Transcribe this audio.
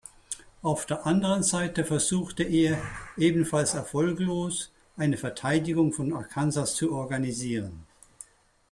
Auf der anderen Seite versuchte er, ebenfalls erfolglos, eine Verteidigung von Arkansas zu organisieren.